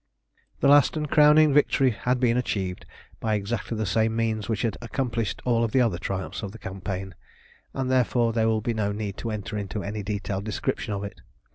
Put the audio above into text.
This last and crowning victory had been achieved by exactly the same means which had accomplished all the other triumphs of the campaign, and therefore there will be no need to enter into any detailed description of it.